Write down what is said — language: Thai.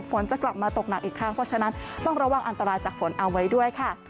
ฝนจะกลับมาตกหนักอีกครั้งเพราะฉะนั้นต้องระวังอันตรายจากฝนเอาไว้ด้วยค่ะ